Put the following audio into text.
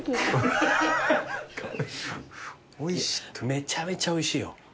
めちゃめちゃおいしいよ。